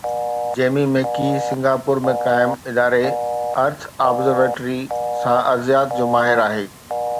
جيمي Mackie Singapore ۾ قائم اداري ارٿ observatory سان ارضيات جو ماهر آهي.